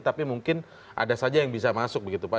tapi mungkin ada saja yang bisa masuk begitu pak